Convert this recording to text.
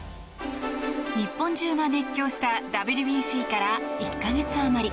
日本中が熱狂したＷＢＣから１か月あまり。